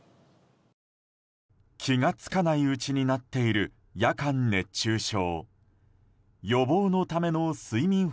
気が付かないうちになっている夜間熱中症。